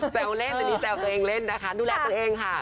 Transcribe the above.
แซวเล่นตอนนี้แซวตัวเองเล่นนะคะดูแลตัวเองค่ะ